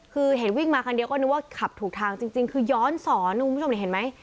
คือเห็นวิ่งมาคันเดียวก็นึกว่าขับถูกทางจริงคือย้อนสอนคุณผู้ชมนี่เห็นไหม